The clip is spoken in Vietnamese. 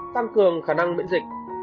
tăng cường khả năng biễn dịch